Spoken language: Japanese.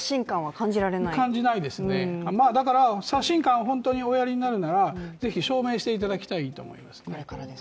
感じないですね、刷新感をおやりになるなら是非、証明していただきたいと思いますね。